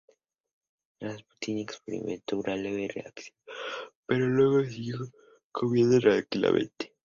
Rasputín experimentó una leve reacción, pero luego siguió comiendo tranquilamente.